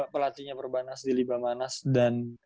pelatihnya perbanas di libamanas dan